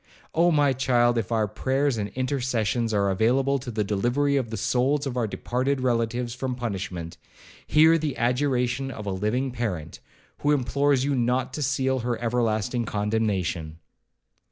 Oh! my child, if our prayers and intercessions are available to the delivery of the souls of our departed relatives from punishment, hear the adjuration of a living parent, who implores you not to seal her everlasting condemnation!'